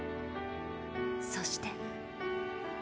そして。